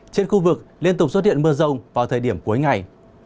trên khu vực liên tục xuất hiện mưa rông vào thời điểm cuối ngày